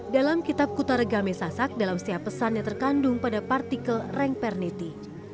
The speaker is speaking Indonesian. dalam kitab kutaragamesasak dalam setiap pesan yang terkandung pada partikel reng perneti